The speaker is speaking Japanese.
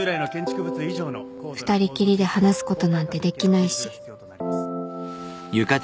２人きりで話すことなんてできないし